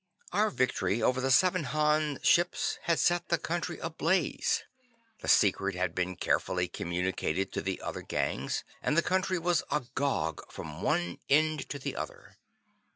Our victory over the seven Han ships had set the country ablaze. The secret had been carefully communicated to the other gangs, and the country was agog from one end to the other.